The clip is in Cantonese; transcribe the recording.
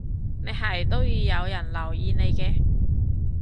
你係都要人留意你嘅